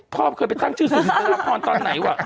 พ่อเคยไปตั้งชื่อสู่ศิษยาพรตอนไหนวะ